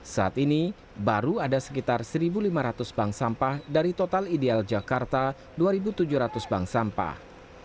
saat ini baru ada sekitar satu lima ratus bank sampah dari total ideal jakarta dua tujuh ratus bank sampah